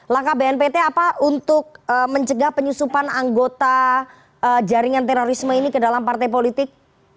langkah bnpt apa untuk mencegah penyusupan anggota jaringan terorisme ini ke dalam partai politik